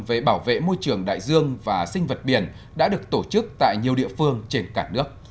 về bảo vệ môi trường đại dương và sinh vật biển đã được tổ chức tại nhiều địa phương trên cả nước